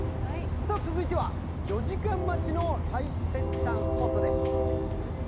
続いては、４時間待ちの最先端スポットです。